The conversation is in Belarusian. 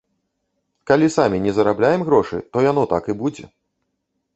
Калі самі не зарабляем грошы, то яно так і будзе.